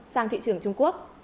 sang thị trường trung quốc